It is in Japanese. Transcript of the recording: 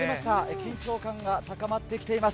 緊張感が高まってきています。